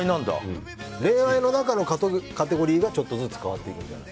恋愛の中のカテゴリーがちょっとずつ変わっていくんじゃない？